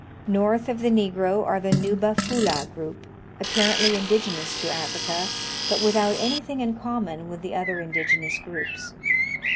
North of the Negro are the Nuba Fulah group, apparently in digenous to Africa, but without any thing in common with the other indigenous groups.